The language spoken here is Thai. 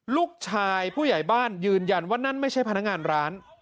ผู้ใหญ่บ้านยืนยันว่านั่นไม่ใช่พนักงานร้าน